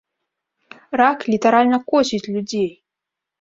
Рак літаральна косіць людзей.